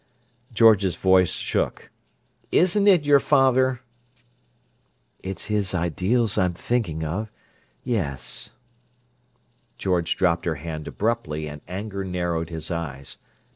George's voice shook. "Isn't it your father?" "It's his ideals I'm thinking of—yes." George dropped her hand abruptly and anger narrowed his eyes.